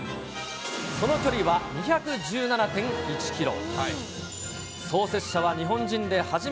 その距離は２１７．１キロ。